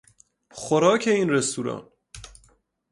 خوراک این رستوران